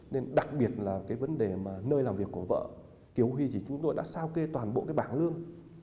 nên đặc biệt là cái vấn đề mà nơi làm việc của vợ kiều huy thì chúng tôi đã sao kê toàn bộ cái bảng lương